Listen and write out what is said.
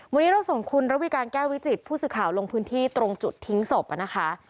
วันนี้เราส่งคุณระวิการแก้ววิจิตผู้สื่อข่าวลงพื้นที่ตรงจุดทิ้งศพนะคะ